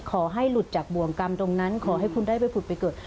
ขอให้หลุดจากบ่วงกรรมตรงนั้นขอให้คุณได้ไปผุดไปเกิด